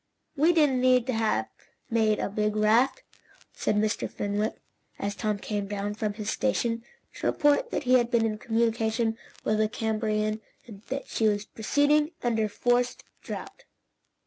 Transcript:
"We didn't need to have made the big raft," said Mr. Fenwick, as Tom came down from his station, to report that he had been in communication with the Camabarian and that she was proceeding under forced draught.